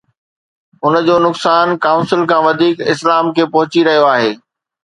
ان جو نقصان ڪائونسل کان وڌيڪ اسلام کي پهچي رهيو آهي.